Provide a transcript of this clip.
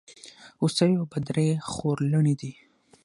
هوسۍ او بدرۍ خورلڼي دي.